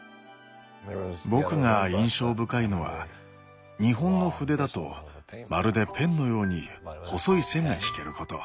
僕が印象深いのは日本の筆だとまるでペンのように細い線が引けること。